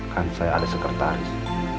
kan saya ada sekretaris